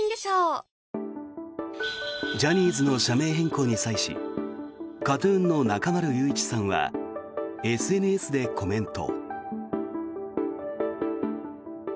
ジャニーズの社名変更に際しＫＡＴ−ＴＵＮの中丸雄一さんはＳＮＳでコメント。